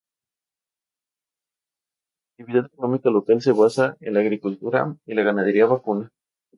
La actividad económica local se basa en la agricultura y la ganadería vacuna.